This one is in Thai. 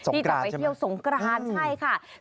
ที่จับไปเที่ยวสงกรานใช่ไหมสงกรานใช่ไหมสงกรานใช่ค่ะ